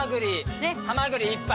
ハマグリ１杯。